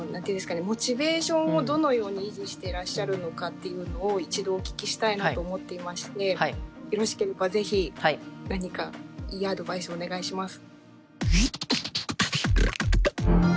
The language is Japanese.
モチベーションをどのように維持してらっしゃるのかっていうのを一度お聞きしたいなと思っていましてよろしければぜひ何かいいアドバイスをお願いします。